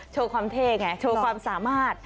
โชว์ความเท่ไงโชว์ความสามารถ